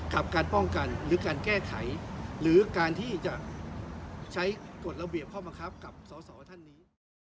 กับการป้องกันหรือการแก้ไขหรือการที่จะใช้กฎระเบียบข้อมังคับกับสอสอท่านนี้